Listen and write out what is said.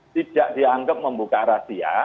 tidak dianggap membuka rahasia